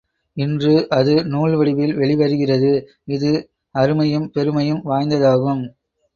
இன்று அது நூல் வடிவில் வெளிவருகிறது, இது அருமையும் பெருமையும் வாய்ந்ததாகும்.